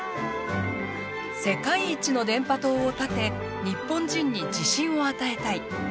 世界一の電波塔を建て日本人に自信を与えたい。